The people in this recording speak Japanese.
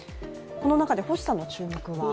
この中で星さんの注目は？